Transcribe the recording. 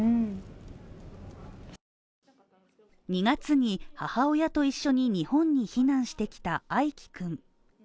２月に母親と一緒に日本に避難してきたアイキ君。